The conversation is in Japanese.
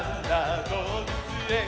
どうぶつえん」